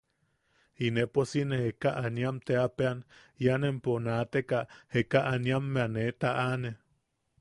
Inepo si nee Jekaaniam teapean; ian empo naateka jekaaniammea ne taʼane.